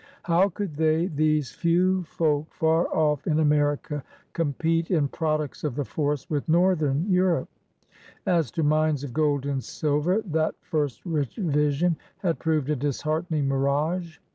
How could they, these few folk far off in America, compete in products of the forest with northern Europe? As to mines of gold and silver, that first rich vision had proved a disheartening mirage.